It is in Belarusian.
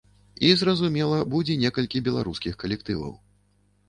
І, зразумела, будзе некалькі беларускіх калектываў.